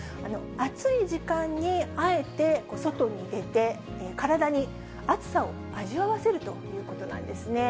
暑い時間にあえてお外に出て、体に暑さを味わわせるということなんですね。